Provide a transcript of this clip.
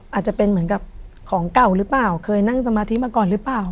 อาจจะเป็นเหมือนกับของเก่าหรือเปล่าเคยนั่งสมาธิมาก่อนหรือเปล่า